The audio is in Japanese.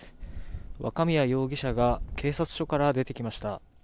若宮容疑者が警察署から出てきました。